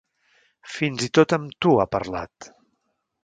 Fins i tot amb tu, ha parlat.